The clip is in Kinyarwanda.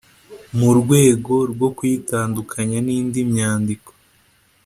mu rwego rwo kuyitandukanya n’indi myandiko